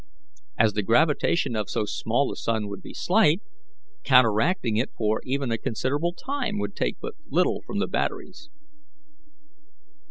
As the gravitation of so small a sun would be slight, counteracting it for even a considerable time would take but little from the batteries."